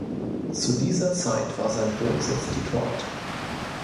Zu dieser Zeit war sein Wohnsitz Detroit.